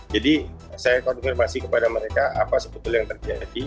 jadi saya konfirmasi kepada mereka apa sebetulnya yang terjadi